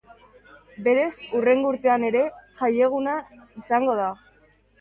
Beraz, hurrengo urtean ere jaieguna izango da.